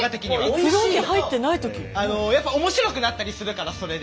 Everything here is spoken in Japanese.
やっぱ面白くなったりするからそれで。